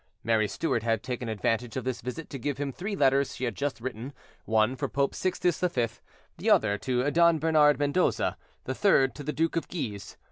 Mary Stuart had taken advantage of this visit to give him three letters she had just written one for Pope Sixtus V, the other to Don Bernard Mendoza, the third to the Duke of Guise.